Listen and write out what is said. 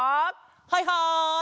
はいはい！